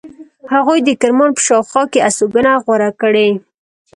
هغوی د کرمان په شاوخوا کې استوګنه غوره کړې.